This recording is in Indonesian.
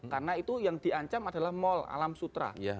karena itu yang diancam adalah mall alam sutra